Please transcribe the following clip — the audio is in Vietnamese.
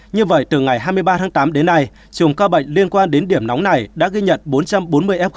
như vậy từ ngày hai mươi ba tháng tám đến nay chùm ca bệnh liên quan đến điểm nóng này đã ghi nhận bốn trăm bốn mươi f